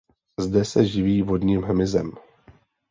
Zde se živí vodním hmyzem.